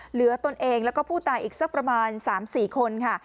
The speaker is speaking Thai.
ตนเองแล้วก็ผู้ตายอีกสักประมาณ๓๔คนค่ะ